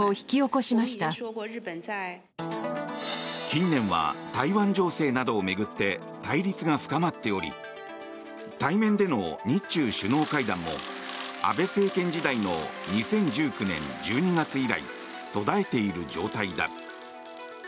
近年は台湾情勢などを巡って対立が深まっており対面での日中首脳会談も安倍政権時代の２０１９年１２月以来途絶えている状態だ。